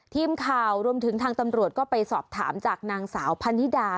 ทีมข่าวรวมถึงทางตำรวจก็ไปสอบถามจากนางสาวพันนิดา